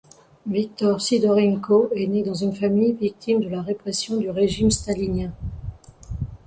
Victor Sydorenko est né dans une famille victime de la répression du régime stalinien.